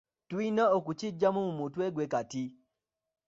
Tulina okukigyamu mu mutwe gwe kati.